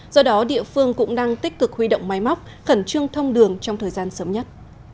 do đó địa phương cũng đang tích cực huy động máy móc khẩn trương thông đường trong thời gian sớm nhất